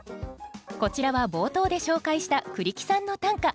こちらは冒頭で紹介した栗木さんの短歌。